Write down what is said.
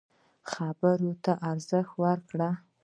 خبرو ته ارزښت ورکړه.